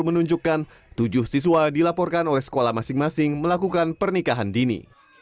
menunjukkan tujuh siswa dilaporkan oleh sekolah masing masing melakukan pernikahan dini